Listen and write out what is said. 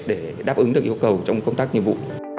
để đáp ứng được yêu cầu trong công tác nhiệm vụ